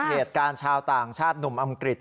เหตุการณ์ชาวต่างชาติหนุ่มอังกฤษ